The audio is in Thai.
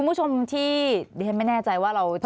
คุณผู้ชมที่ไม่แน่ใจว่าเราจะได้